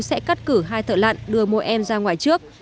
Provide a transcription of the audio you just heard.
sẽ cắt cử hai thợ lặn đưa mỗi em ra ngoài trước